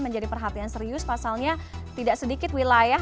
menjadi perhatian serius pasalnya tidak sedikit wilayah